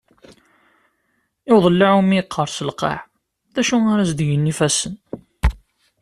I uḍellaɛ umi yeqqers lqaɛ, d acu ara as-d-gen yifassen?